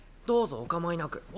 どうぞお構いなく。